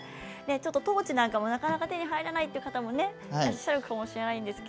トーチなんかもなかなか手に入らないっていう方もいらっしゃるかもしれませんが。